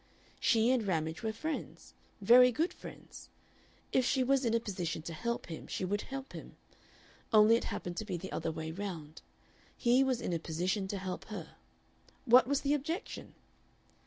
She and Ramage were friends, very good friends. If she was in a position to help him she would help him; only it happened to be the other way round. He was in a position to help her. What was the objection?